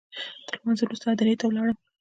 تر لمانځه وروسته هدیرې ته ولاړم.